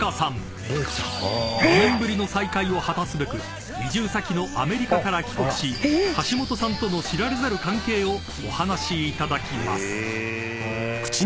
［４年ぶりの再会を果たすべく移住先のアメリカから帰国し橋本さんとの知られざる関係をお話しいただきます］